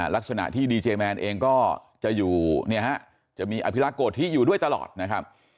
ลักษณะที่ดีเจแมนเองก็จะอยู่เนี่ยฮะจะมีอภิรักษ์โกธิอยู่ด้วยตลอดนะครับ